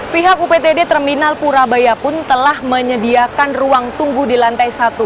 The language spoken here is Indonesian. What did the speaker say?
pihak uptd terminal purabaya pun telah menyediakan ruang tunggu di lantai satu